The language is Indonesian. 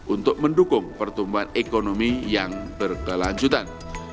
untuk mendukung pertumbuhan ekonomi yang berkelanjutan